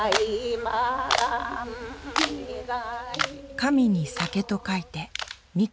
神に酒と書いて「神酒」。